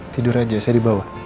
tidur aja saya di bawah